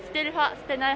捨てない？